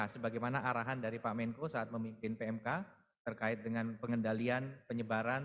sebagaimana arahan dari pak menko saat memimpin pmk terkait dengan pengendalian penyebaran